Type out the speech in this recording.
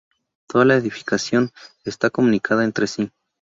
Toda la edificación está comunicada entre sí.